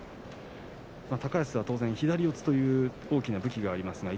高安は当然左四つという大きな武器があります。